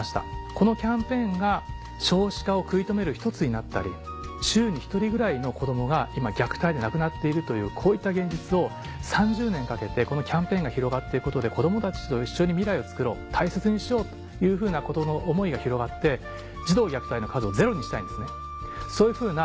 このキャンペーンが少子化を食い止める一つになったり週に１人ぐらいの子どもが今虐待で亡くなっているというこういった現実を３０年かけてこのキャンペーンが広がっていくことで子どもたちと一緒に未来をつくろう大切にしようというふうなことの思いが広がって児童虐待の数をゼロにしたいんですね。